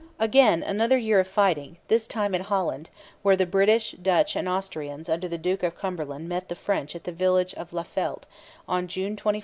Again another year of fighting: this time in Holland, where the British, Dutch, and Austrians under the Duke of Cumberland met the French at the village of Laffeldt, on June 21, 1747.